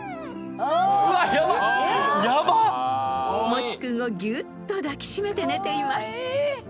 ［もち君をぎゅっと抱きしめて寝ています］